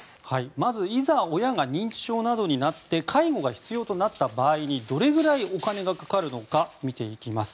まず、いざ親が認知症などになって介護が必要となった場合にどれぐらいお金がかかるのか見ていきます。